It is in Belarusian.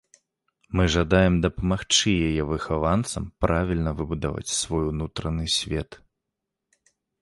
Мы жадаем дапамагчы яе выхаванцам правільна выбудаваць свой унутраны свет.